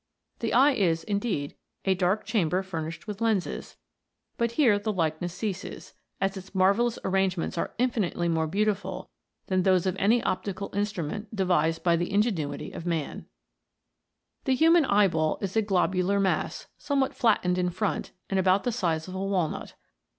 The eye is, indeed, a dark chamber fur nished with lenses, but here the likeness ceases, as its marvellous arrangements are infinitely more beautiful than those of any optical instrument de vised by the ingenuity of man. 104 TWO EYES AKE BETTER THAN ONE. The human eyeball is a globular mass, somewhat flattened in front, and about the size of a walnut.